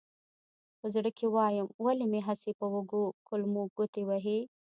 په زړه کې وایم ولې مې هسې په وږو کولمو ګوتې وهې.